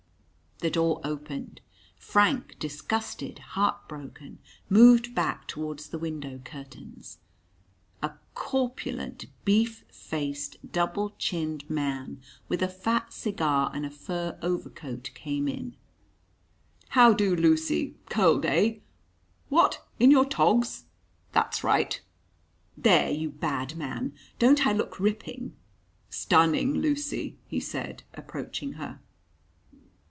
The door opened Frank, disgusted, heart broken, moved back towards the window curtains. A corpulent, beef faced, double chinned man, with a fat cigar and a fur overcoat, came in. "How do, Lucy? Cold, eh? What, in your togs? That's right." "There, you bad man! Don't I look ripping?" "Stunning, Lucy," he said, approaching her.